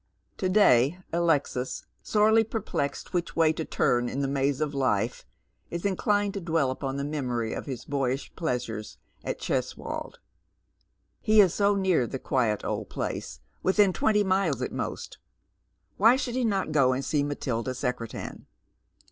To day Alexis, sorely perplexed which way to turn in the mazA of life, is inclined to dwell upon the memory of his boyish plea •m'es at Cheswold. He is so neai' the quiet old place, witliiu 162 Dead Men's S?ioes. twenty miles at most. Why should he not go and see Matilda Secretan